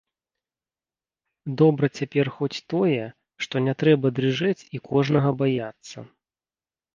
Добра цяпер хоць тое, што не трэба дрыжэць і кожнага баяцца.